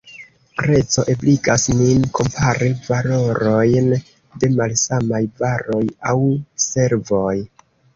Prezo ebligas nin kompari valorojn de malsamaj varoj aŭ servoj.